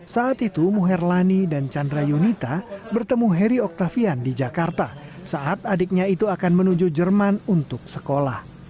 saat itu muherlani dan chandra yunita bertemu heri oktavian di jakarta saat adiknya itu akan menuju jerman untuk sekolah